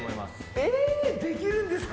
えっできるんですか？